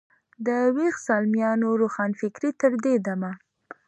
د ویښ زلمیانو روښانفکرۍ تر دې دمه.